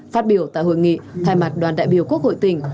phát biểu tại hội nghị thay mặt đoàn đại biểu quốc hội tỉnh